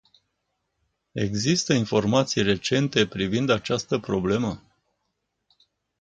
Există informații recente privind această problemă?